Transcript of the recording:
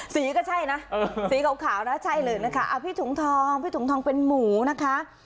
สีก็ใช่นะสีขาวนะใช่เลยนะคะพี่ถุงทองพี่ถุงทองเป็นหมูนะคะ